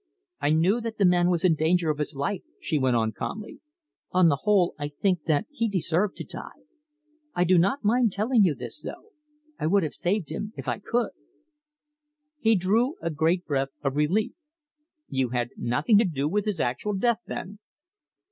I knew that the man was in danger of his life," she went on, calmly. "On the whole, I think that he deserved to die. I do not mind telling you this, though. I would have saved him if I could." He drew a great breath of relief. "You had nothing to do with his actual death, then?"